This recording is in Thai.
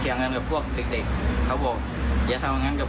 โชคอะไรอยู่ที่แรกอยู่ข้างหน้าหมดเลยครับ